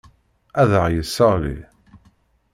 Ad aɣ-yesseɣli.